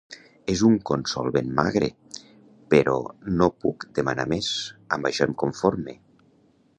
És un consol ben magre, però no puc demanar més, amb això em conforme.